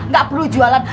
gak perlu jualan